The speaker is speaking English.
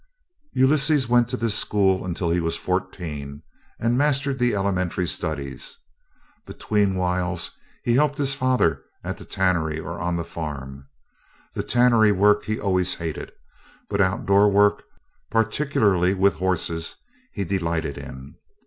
Ulysses went to this school until he was fourteen, and mastered the elementary studies. Between whiles he helped his father at the tannery or on the farm. The tannery work he always hated. But outdoor work, particularly with horses, he delighted in.